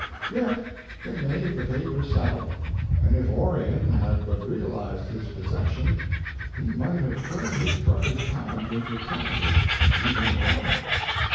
Yet they made the paper sell, and if Orion had but realized his possession he might have turned his brother's talent into capital even then."